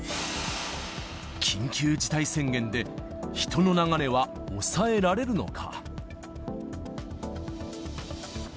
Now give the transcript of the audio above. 緊急事態宣言で、人の流れは抑えられるのか。